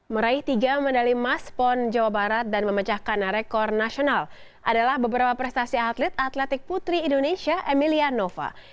meraih tiga medali emas pon jawa barat dan memecahkan rekor nasional adalah beberapa prestasi atlet atletik putri indonesia emilia nova